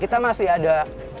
kita masih ada